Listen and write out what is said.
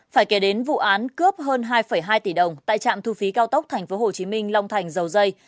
phải kể đến vụ án cướp hơn hai hai tỷ đồng tại trạm thu phí cao tốc tp hcm long thành dầu dây